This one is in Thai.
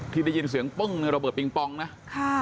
ที่ได้ยินเสียงปึ้งในระเบิดปิงปองนะค่ะ